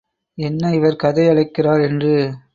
என்ன இவர் கதை அளக்கிறார் என்று.